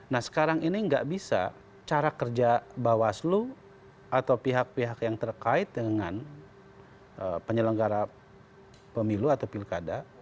nah sekarang ini nggak bisa cara kerja bawaslu atau pihak pihak yang terkait dengan penyelenggara pemilu atau pilkada